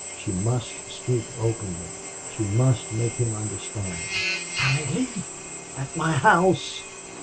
She must speak openly, she must make him understand. "Allie Lee!... At my house!"